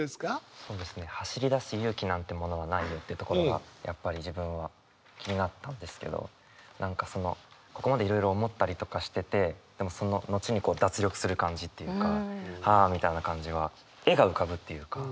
そうですね「走り出す勇気なんてものは無いよ」というところがやっぱり自分は気になったんですけど何かそのここまでいろいろ思ったりとかしててその後に脱力する感じっていうかはあみたいな感じは絵が浮かぶっていうか。